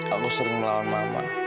aku sering melawan mama